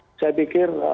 nah saya pikir